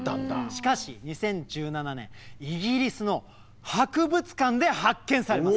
しかし２０１７年イギリスの博物館で発見されます。